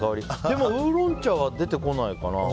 でもウーロン茶は出てこないかな。